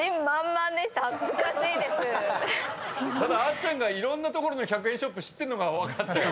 ただあっちゃんがいろんな所の１００円ショップ知ってるのが分かったよ。